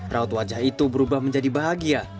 raut wajah itu berubah menjadi bahagia